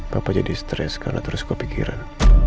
bapak jadi stres karena terus kepikiran